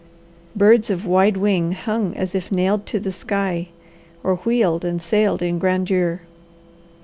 Birds of wide wing hung as if nailed to the sky, or wheeled and sailed in grandeur.